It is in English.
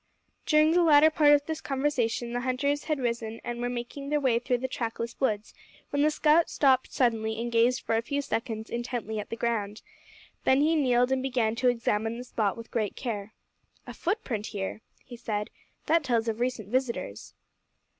During the latter part of this conversation the hunters had risen and were making their way through the trackless woods, when the scout stopped suddenly and gazed for a few seconds intently at the ground. Then he kneeled and began to examine the spot with great care. "A footprint here," he said, "that tells of recent visitors."